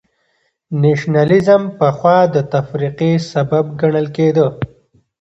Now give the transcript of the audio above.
نېشنلېزم پخوا د تفرقې سبب ګڼل کېده.